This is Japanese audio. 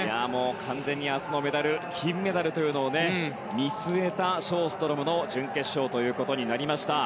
完全に明日のメダル金メダルを見据えたショーストロムの準決勝ということになりました。